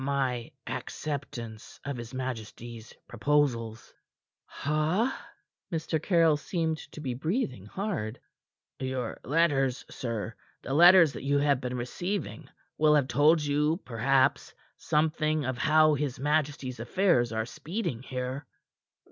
My acceptance of his majesty's proposals." "Ha!" Mr. Caryll seemed to be breathing hard. "Your letters, sir the letters that you have been receiving will have told you, perhaps, something of how his majesty's affairs are speeding here?"